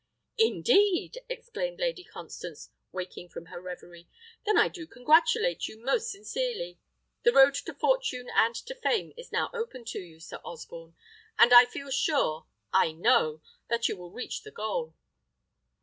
"Indeed!" exclaimed Lady Constance, waking from her reverie; "then I do congratulate you most sincerely. The road to fortune and to fame is now open to you, Sir Osborne, and I feel sure, I know, that you will reach the goal."